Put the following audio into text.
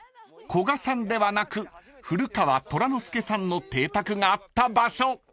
［コガさんではなく古河虎之助さんの邸宅があった場所］